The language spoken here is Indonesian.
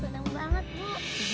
seneng banget bu